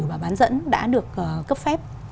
và bán dẫn đã được cấp phép